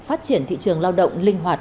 phát triển thị trường lao động linh hoạt